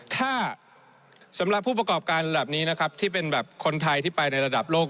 ถ้าสำหรับผู้ประกอบการแบบนี้นะครับที่เป็นแบบคนไทยที่ไปในระดับโลก